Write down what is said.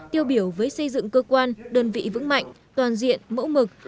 tiêu biểu với xây dựng cơ quan đơn vị vững mạnh toàn diện mẫu mực